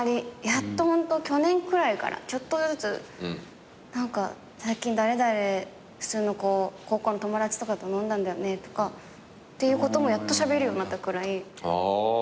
やっとホント去年くらいからちょっとずつ「最近高校の友達とかと飲んだんだよね」とかっていうこともやっとしゃべれるようになったくらい。